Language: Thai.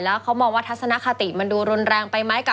แล้วเขามองว่าทัศนคติมันดูรุนแรงไปไหมกับ